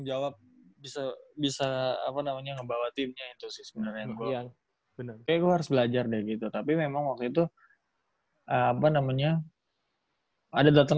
tapi role yang lebih besar untuk tahun